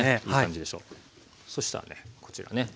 そしたらねこちらね